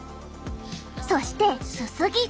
そしてすすぎ。